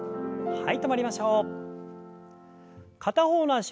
はい。